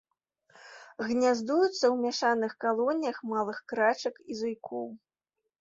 Гняздуецца ў мяшаных калоніях малых крачак і зуйкоў.